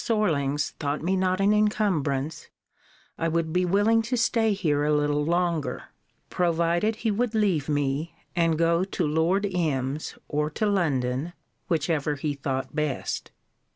I told him, that if Mrs. Sorlings thought me not an incumbrance, I would be willing to stay here a little longer; provided he would leave me, and go to Lord M.'s, or to London, which ever he thought best.